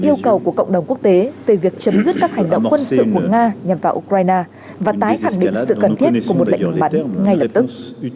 yêu cầu của cộng đồng quốc tế về việc chấm dứt các hành động quân sự của nga nhằm vào ukraine và tái khẳng định sự cần thiết của một lệnh ngừng bắn ngay lập tức